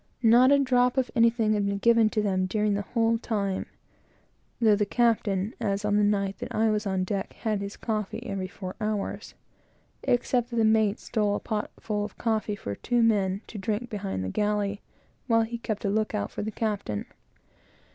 Not a drop of anything had been given them during the whole time, (though the captain, as on the night that I was on deck, had his coffee every four hours,) except that the mate stole a potful of coffee for two men to drink behind the galley, while he kept a look out for the captain.